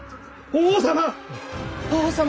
法皇様！